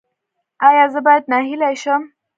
ایا زه باید ناهیلي شم؟